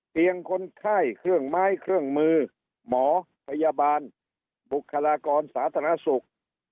คนไข้เครื่องไม้เครื่องมือหมอพยาบาลบุคลากรสาธารณสุข